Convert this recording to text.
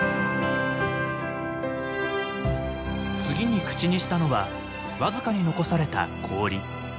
次に口にしたのは僅かに残された氷。